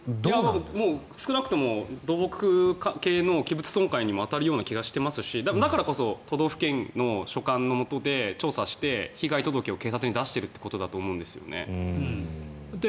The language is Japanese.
少なくとも土木系の器物損壊にも当たるような気がしていますしだからこそ都道府県の所管のもとで調査して被害届を警察に出しているということだと思うんですよね。